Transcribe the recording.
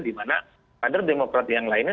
di mana kader demokrat yang lainnya